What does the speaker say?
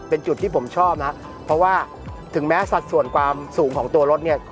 เป็นจุดที่ผมชอบนะเพราะว่าถึงแม้สัดส่วนความสูงของตัวรถเนี่ย